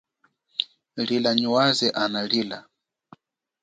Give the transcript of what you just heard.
Lila nyi waze ana lila.